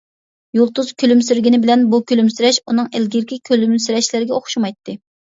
يۇلتۇز كۈلۈمسىرىگىنى بىلەن بۇ كۈلۈمسىرەش ئۇنىڭ ئىلگىرىكى كۈلۈمسىرەشلىرىگە ئوخشىمايتتى.